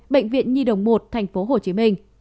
bệnh viện nhi đồng một tp hcm